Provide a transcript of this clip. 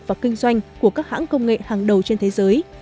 và kinh doanh của các hãng công nghệ hàng đầu trên thế giới